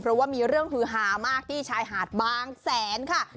เพราะว่ามีเรื่องฮือฮามากที่ชายหาดบางแสนค่ะ